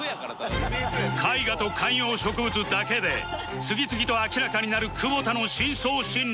絵画と観葉植物だけで次々と明らかになる久保田の深層心理